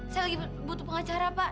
saya lagi butuh pengacara pak